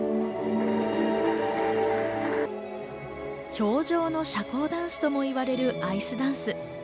氷上の社交ダンスともいわれるアイスダンス。